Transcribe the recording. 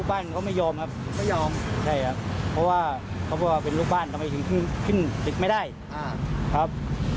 อาชีพที่เขาหาว่าทำอะไรเหมือนกันนะครับ